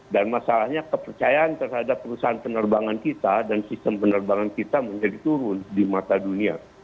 dan masalahnya kepercayaan terhadap perusahaan penerbangan kita dan sistem penerbangan kita menjadi turun di mata dunia